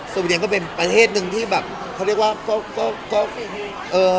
เวียนก็เป็นประเทศหนึ่งที่แบบเขาเรียกว่าก็ก็เอ่อ